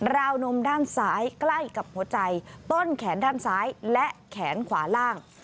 วนมด้านซ้ายใกล้กับหัวใจต้นแขนด้านซ้ายและแขนขวาล่าง